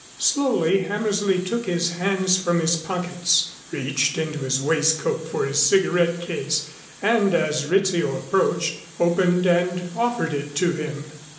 Slowly Hammersley took his hands from his pockets, reached into his waistcoat for his cigarette case, and as Rizzio approached, opened and offered it to him.